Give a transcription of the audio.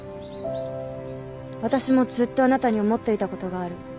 私もずっとあなたに思っていたことがある。